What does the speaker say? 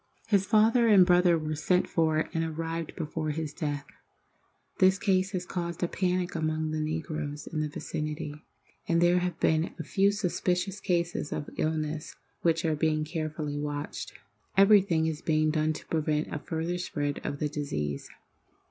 His father and brother were sent for and arrived before his death. This case has caused a panic among the negroes in the vicinity, and there have been a few suspicious cases of illness which are being carefully watched. Everything is being done to prevent a further spread of the disease.